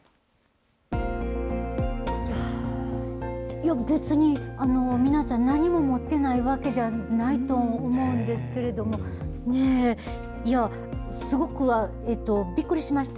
いや、別に皆さん、何も持ってないわけじゃないと思うんですけれども、いや、すごく、えっと、びっくりしました。